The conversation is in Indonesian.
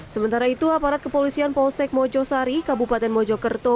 sementara itu aparat kepolisian polsek mojosari kabupaten mojokerto